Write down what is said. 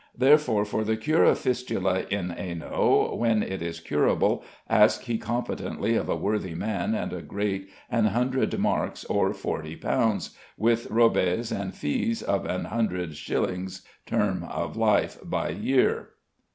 Therefore for the cure of fistula in ano, when it is curable, ask he competently of a worthy man and a great an hundred marks or forty pounds, with robez and feez of an hundred shillyns terme of life, by year.